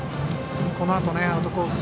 このあと、アウトコース